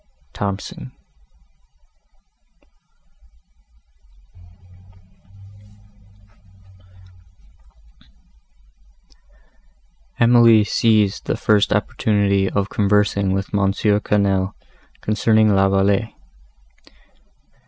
THOMSON Emily seized the first opportunity of conversing alone with Mons. Quesnel, concerning La Vallée.